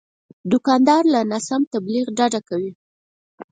دوکاندار له ناسم تبلیغ ډډه کوي.